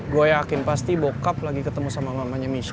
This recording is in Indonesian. gue yakin pasti bokap lagi ketemu sama mamanya misha